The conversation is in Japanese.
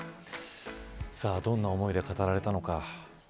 どんな思いで語られたのか。